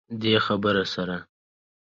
دې خبرې سره